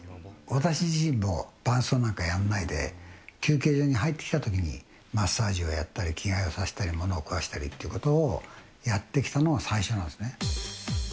私自身も伴走なんかやんないで、休憩所に入ってきたときに、マッサージをやったり、着替えをさせたり、物を食わしたりっていうことをやってきたのが最初なんですね。